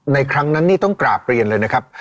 ครั้งนั้นนี่ต้องกราบเรียนเลยนะครับ